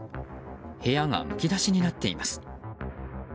部屋がむき出しになっています。